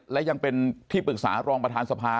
และยังเป็นที่ปรึกษารองประธานสภา